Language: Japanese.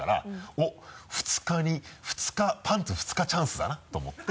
おっパンツ２日チャンスだなと思って。